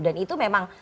dan itu memang